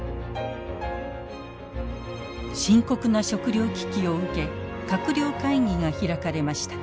深刻な食料危機を受け閣僚会議が開かれました。